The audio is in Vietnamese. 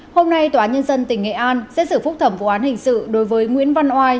hôm nay tòa nhân dân tỉnh nghệ an xét xử phúc thẩm vụ án hình sự đối với nguyễn văn oai